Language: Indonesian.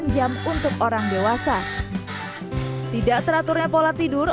enam jam untuk orang dewasa tidak teraturnya pola tidur